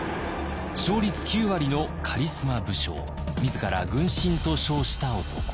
勝率９割のカリスマ武将自ら「軍神」と称した男。